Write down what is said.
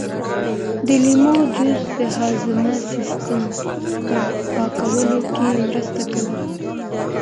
د لیمو جوس د هاضمې سیسټم په پاکولو کې مرسته کوي.